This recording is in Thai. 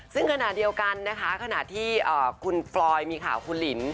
ซึ่งขณะเดียวกันนะคะขณะที่คุณปลอยมีข่าวคุณหลิน